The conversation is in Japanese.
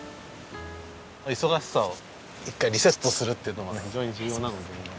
忙しさを一回リセットするっていうのが非常に重要なので。